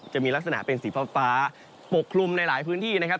จะมีลักษณะเป็นสีฟ้าปกคลุมในหลายพื้นที่นะครับ